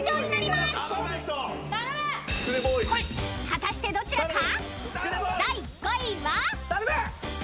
［果たしてどちらか？］